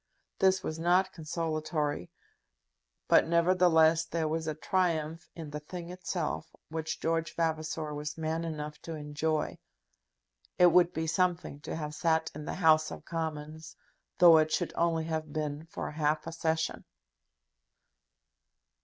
This was not consolatory. But, nevertheless, there was a triumph in the thing itself which George Vavasor was man enough to enjoy. It would be something to have sat in the House of Commons, though it should only have been for half a session.